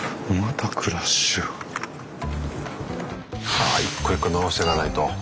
はぁ一個一個直してかないと。